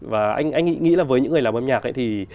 và anh nghĩ là với những người làm âm nhạc ấy thì